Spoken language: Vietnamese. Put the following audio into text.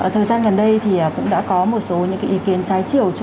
thời gian gần đây thì cũng đã có một số những ý kiến trái chiều